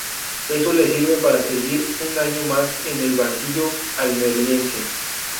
Eso le sirve para seguir un año más en el banquillo almeriense.